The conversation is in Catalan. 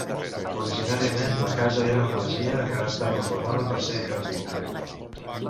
Originàriament la casa era una masia que ha estat reformada per ser engrandida.